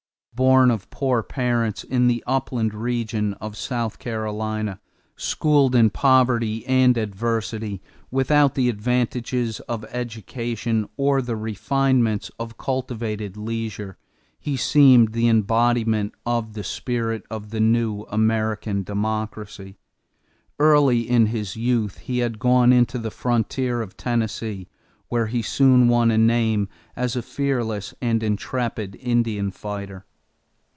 Born of poor parents in the upland region of South Carolina, schooled in poverty and adversity, without the advantages of education or the refinements of cultivated leisure, he seemed the embodiment of the spirit of the new American democracy. Early in his youth he had gone into the frontier of Tennessee where he soon won a name as a fearless and intrepid Indian fighter.